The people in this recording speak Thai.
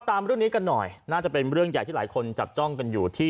ตามเรื่องนี้กันหน่อยน่าจะเป็นเรื่องใหญ่ที่หลายคนจับจ้องกันอยู่ที่